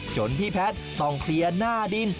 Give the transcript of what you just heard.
จนพี่แพทย์ต้องเคลียร์หน้าดิน